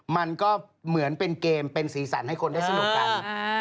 มันก็เหมือนเป็นเกมเป็นสีสันให้คนได้สนุกกัน